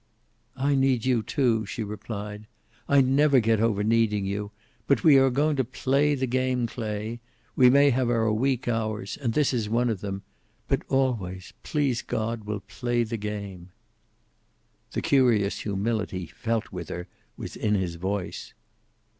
"I need you, too," she replied. "I never get over needing you. But we are going to play the game, Clay. We may have our weak hours and this is one of them but always, please God, we'll play the game." The curious humility he felt with her was in his voice.